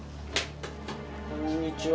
こんにちは。